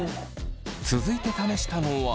続いて試したのは。